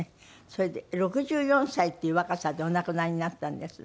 それで６４歳っていう若さでお亡くなりになったんです。